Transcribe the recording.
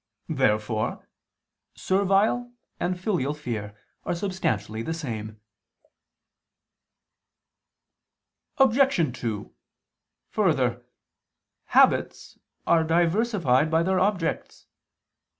Therefore servile and filial fear are substantially the same. Obj. 2: Further, habits are diversified by their objects.